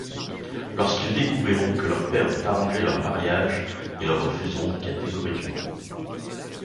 Lorsqu'ils découvriront que leurs pères ont arrangé leur mariage, ils refuseront catégoriquement.